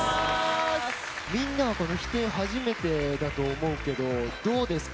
みんなはこの飛天、初めてだと思うけどどうですか？